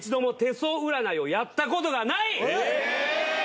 え